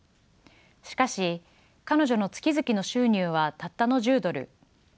しかし彼女の月々の収入はたったの１０ドル。